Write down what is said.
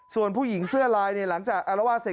ส่วนผู้หญิงเสื้อลายหลังจากอัลวาเซต